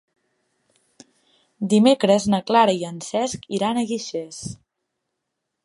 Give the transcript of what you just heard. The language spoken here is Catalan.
Dimecres na Clara i en Cesc iran a Guixers.